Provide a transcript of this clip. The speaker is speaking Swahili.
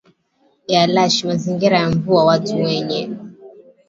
ya lush mazingira ya mvua watu wenye